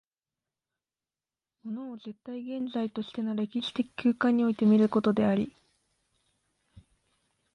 物を絶対現在としての歴史的空間において見ることであり、